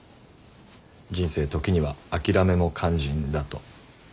人生時には諦めも肝心だと。